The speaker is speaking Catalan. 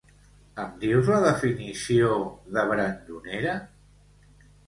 Em dius la definició de brandonera?